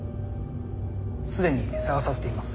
すでに捜させています。